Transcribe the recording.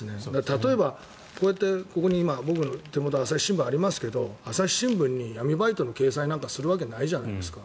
例えば、こうやってここに今、僕の手元朝日新聞がありますけど朝日新聞に闇バイトの掲載なんかするわけないじゃないですか。